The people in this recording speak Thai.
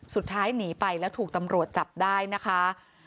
สุดท้ายหนีไปแล้วถูกตำรวจจับได้นะคะ